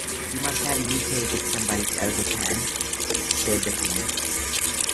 ‘He must have imitated somebody else’s hand,’ said the King.